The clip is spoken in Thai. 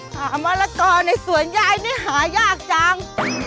มะละกอในสวนยายนี่หายากจัง